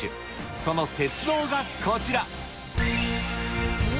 その雪像がこちら。